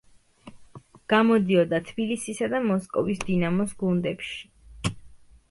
გამოდიოდა თბილისისა და მოსკოვის „დინამოს“ გუნდებში.